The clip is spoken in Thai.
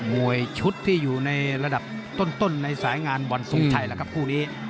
วยชุดที่อยู่ในระดับต้นในสายงานวันทรงชัยแล้วครับคู่นี้